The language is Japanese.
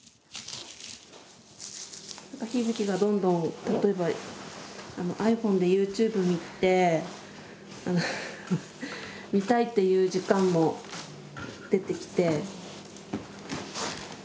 日々貴がどんどん例えばｉＰｈｏｎｅでＹｏｕＴｕｂｅ見て見たいっていう時間も出てきて。